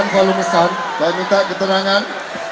saya minta ketenangan